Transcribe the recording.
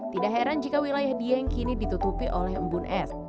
tidak heran jika wilayah dieng kini ditutupi oleh embun es